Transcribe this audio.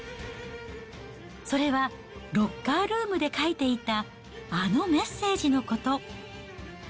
それはロッカールームで書いていたあのメッセージのこと。